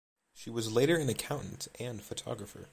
She was later an accountant and photographer.